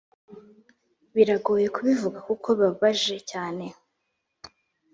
birangoye kubivuga kuko bibabaje cyane